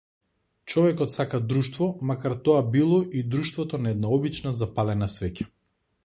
Човекот сака друштво, макар тоа било и друштвото на една обична запалена свеќа.